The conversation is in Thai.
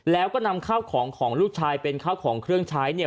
แล้วก็นำข้าวของของลูกชายเป็นข้าวของเครื่องใช้เนี่ย